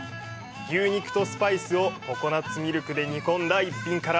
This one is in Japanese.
牛肉とスパイスをココナッツミルクで煮込んだ一品から。